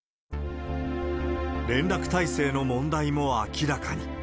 連絡体制の問題も明らかに。